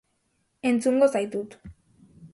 Entzungo zaitut.